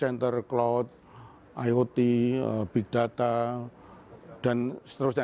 jadi antara cloud iot big data dan seterusnya